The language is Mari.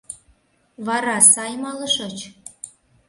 Вара сай малышыч?